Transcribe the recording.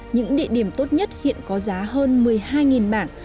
những địa điểm tốt nhất hiện có giá hơn một mươi hai bảng